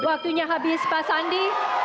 waktunya habis pak sandi